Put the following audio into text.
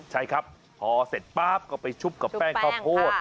ใช่ครับพอเสร็จป๊าบก็ไปชุบกับแป้งข้าวโพด